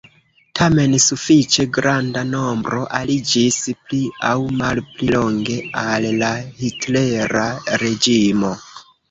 Tamen sufiĉe granda nombro aliĝis pli aŭ malpli longe al la hitlera reĝimo.